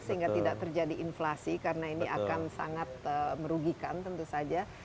sehingga tidak terjadi inflasi karena ini akan sangat merugikan tentu saja